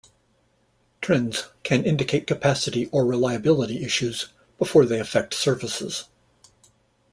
Trends can indicate capacity or reliability issues before they affect services.